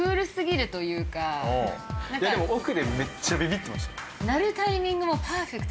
いやでも奥でめっちゃビビってましたよ。